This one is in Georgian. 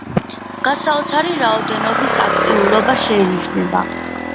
გასაოცარი რაოდენობის აქტიურობა შეინიშნება.